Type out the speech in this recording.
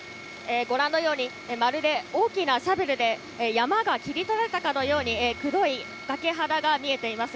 ご覧のように、まるで大きなシャベルで山が切り取られたかのように、黒い崖肌が見えています。